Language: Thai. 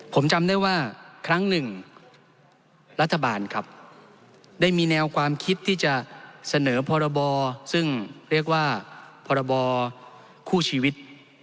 ผมจำได้ว่าครั้งหนึ่งรัฐบาลครับได้มีแนวความคิดที่จะเสนอพรบซึ่งเรียกว่าพรบคู่ชีวิต